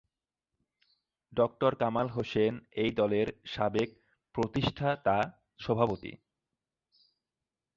ড: কামাল হোসেন এই দলের সাবেক প্রতিষ্ঠাতা সভাপতি।